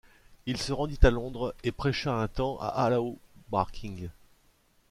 Il se rendit à Londres et prêcha un temps à Allhallows Barking.